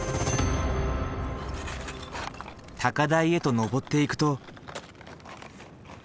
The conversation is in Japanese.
高台へと上っていくと。